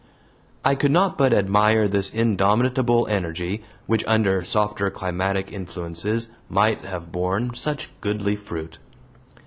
I could not but admire this indomitable energy, which under softer climatic influences might have borne such goodly fruit.